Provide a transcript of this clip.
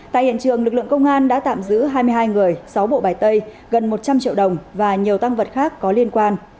tại hiện trường lực lượng công an đã tạm giữ hai mươi hai người sáu bộ bài tay gần một trăm linh triệu đồng và nhiều tăng vật khác có liên quan